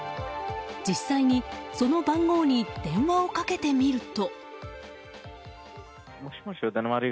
実際にその番号に電話をかけてみると。